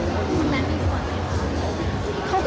มันแบบมีหวังไหม